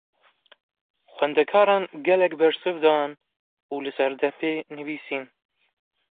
Xwendekaran gelek bersiv dan û li ser depê nivîsîn.